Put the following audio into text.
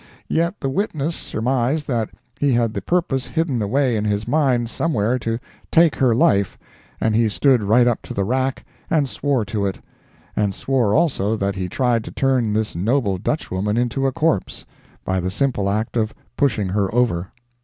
Yet the witness surmised that he had the purpose hidden away in his mind somewhere to take her life, and he stood right up to the rack and swore to it; and swore also that he tried to turn this noble Dutchwoman into a corpse, by the simple act of pushing her over.